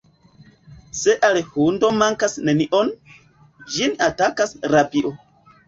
Se al hundo mankas nenio, ĝin atakas rabio.